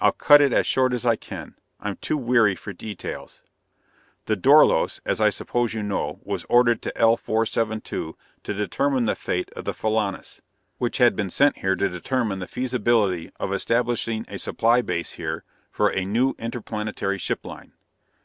"I'll cut it as short as I can. I'm too weary for details. "The Dorlos, as I suppose you know, was ordered to L 472 to determine the fate of the Filanus, which had been sent here to determine the feasibility of establishing a supply base here for a new interplanetary ship line.